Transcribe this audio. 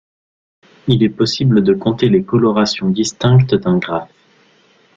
Il est possible de compter les colorations distinctes d'un graphe.